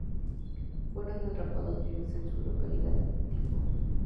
Fueron atrapados vivos en la localidad tipo.